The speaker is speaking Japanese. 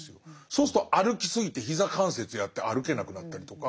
そうすると歩き過ぎて膝関節やって歩けなくなったりとか。